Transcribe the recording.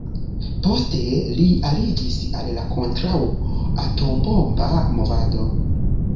Poste li aliĝis al kontraŭ-atombomba movado.